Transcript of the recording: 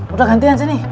udah gantian sih nih